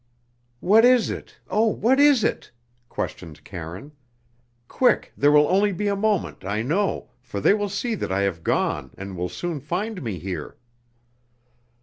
"What is it oh, what is it?" questioned Karine. "Quick! there will only be a moment, I know, for they will see that I have gone, and will soon find me here."